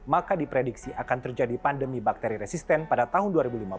maka diprediksi akan terjadi pandemi bakteri resisten pada tahun dua ribu lima belas